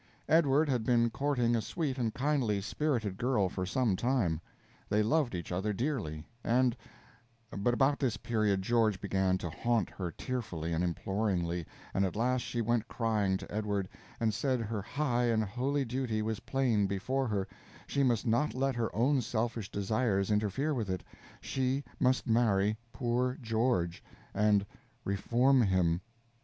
Edward had been courting a sweet and kindly spirited girl for some time. They loved each other dearly, and But about this period George began to haunt her tearfully and imploringly, and at last she went crying to Edward, and said her high and holy duty was plain before her she must not let her own selfish desires interfere with it: she must marry "poor George" and "reform him."